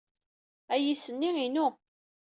Ayis-nni inu.